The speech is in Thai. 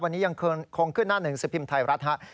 วันนี้ยังคงขึ้นหน้าหนึ่งสิบพิมพ์ไทยรัฐครับ